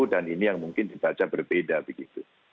dan ini yang mungkin dibaca berbeda begitu